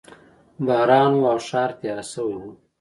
باران و او ښار تیاره شوی و